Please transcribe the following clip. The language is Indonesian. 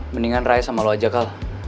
mendingan ray sama lo aja kal